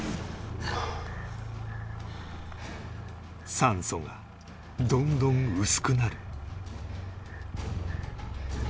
酸素がどんどん薄くなる